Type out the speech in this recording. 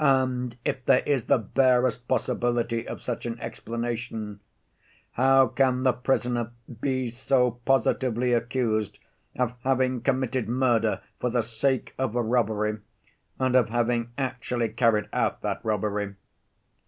And if there is the barest possibility of such an explanation, how can the prisoner be so positively accused of having committed murder for the sake of robbery, and of having actually carried out that robbery?